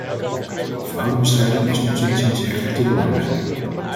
Fraudebestrijding is ons inziens echter te belangrijk.